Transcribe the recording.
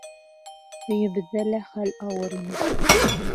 Өйөбөҙҙә лә хәл ауыр ине.